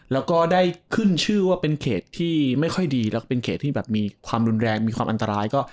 แล้วก็ได้ขึ้นชื่อว่าเป็นเขตที่ไม่ค่อยดีแล้วก็เป็นเขตที่แบบมีความรุนแรงมีความอันตรายก็